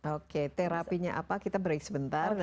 oke terapinya apa kita break sebentar